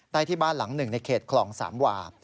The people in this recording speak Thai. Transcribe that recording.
ที่บ้านหลังหนึ่งในเขตคลองสามวา